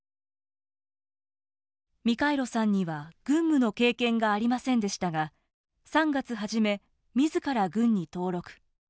ミカイロさんには軍務の経験がありませんでしたが３月初めみずから軍に登録。